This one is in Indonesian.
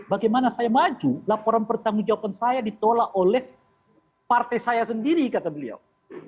bagaimana saya maju laporan pertanggung jawaban saya ditolak oleh partai saya sendiri kata beliau